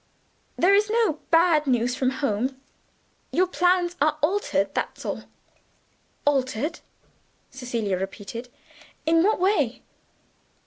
There is no bad news from home. Your plans are altered; that's all." "Altered?" Cecilia repeated. "In what way?"